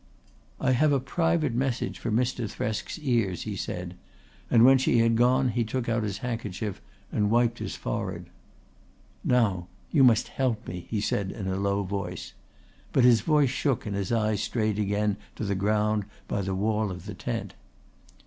"I have a private message for Mr. Thresk's ears," he said, and when she had gone he took out his handkerchief and wiped his forehead. "Now you must help me," he said in a low voice. But his voice shook and his eyes strayed again to the ground by the wall of the tent.